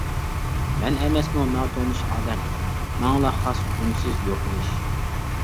مەن ئەمەسمۇ ناتونۇش ئادەم؟ ماڭىلا خاس ئۈنسىز يوقىلىش.